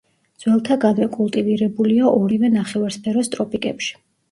ძველთაგანვე კულტივირებულია ორივე ნახევარსფეროს ტროპიკებში.